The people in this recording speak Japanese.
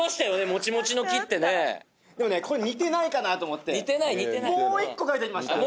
「モチモチの木」ってねでもねこれ似てないかなと思って似てない似てないもう一個描いてきました